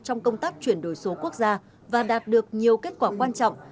trong công tác chuyển đổi số quốc gia và đạt được nhiều kết quả quan trọng